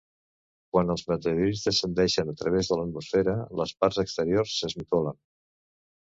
Quan els meteorits descendeixen a través de l'atmosfera, les parts exteriors s'esmicolen.